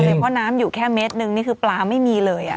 เพราะน้ำอยู่แค่เมตรนึงนี่คือปลาไม่มีเลย